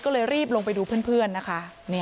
ก็เลยรีบลงไปดูเพื่อนนะคะ